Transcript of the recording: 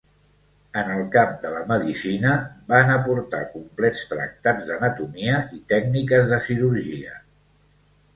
En el camp de la medicina, van aportar complets tractats d'anatomia i tècniques de cirurgia.